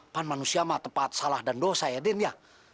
kan manusia mah tepat salah dan dosa ya den ya